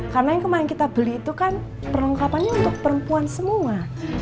karena yang kemarin kita beli itu kan perlengkapannya untuk perempuan semua